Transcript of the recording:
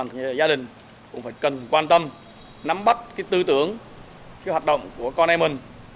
như là gia đình cũng phải cần quan tâm nắm bắt cái tư tưởng cái hoạt động của con em mình